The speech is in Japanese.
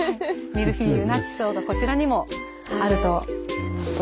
ミルフィーユな地層がこちらにもあると。